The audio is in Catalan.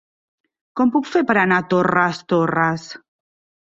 Com ho puc fer per anar a Torres Torres?